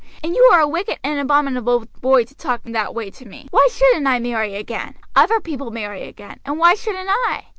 And you are a wicked and abominable boy to talk in that way to me. Why shouldn't I marry again? Other people marry again, and why shouldn't I?